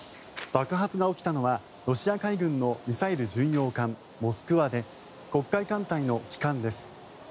爆発が起きたのはロシア海軍のミサイル巡洋艦「モスクワ」で黒海艦隊の旗艦です。